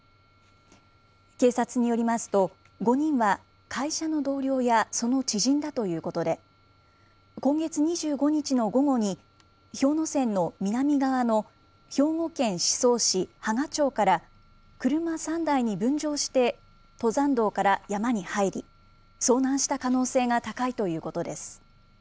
警察によりますと、５人は、会社の同僚やその知人だということで、今月２５日の午後に、氷ノ山の南側の兵庫県宍粟市波賀町から、車３台に分乗して登山道から山に入り、遭難した可能性が高いということです。